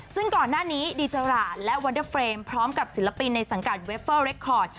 ซึ่งก่อนหน้านี้ดีเจอราและวอเดอร์เฟรมพร้อมกับศิลปินในสังกัดเวฟเฟอร์เรคคอร์ด